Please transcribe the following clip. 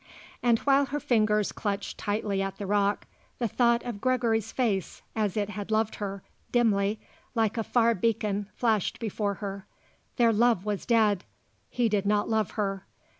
And while her fingers clutched tightly at the rock, the thought of Gregory's face, as it had loved her, dimly, like a far beacon, flashed before her. Their love was dead. He did not love her.